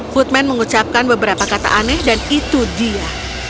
footman mengucapkan beberapa kata aneh dan itu dia